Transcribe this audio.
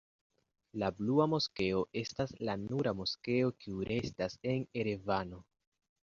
La Blua Moskeo estas la nura moskeo kiu restas en Erevano.